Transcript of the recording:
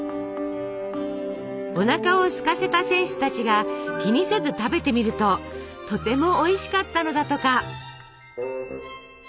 おなかをすかせた選手たちが気にせず食べてみるととてもおいしかったのだとか。